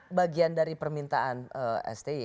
itu bagian dari permintaan sti